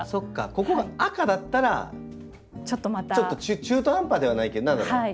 ここが赤だったらちょっと中途半端ではないけど何だろうな。